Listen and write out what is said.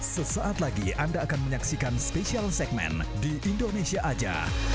sesaat lagi anda akan menyaksikan spesial segmen di indonesia aja